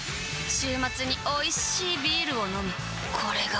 週末においしいビールを飲むあたまらんっ